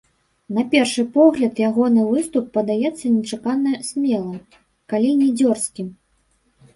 На першы погляд ягоны выступ падаецца нечакана смелым, калі не дзёрзкім.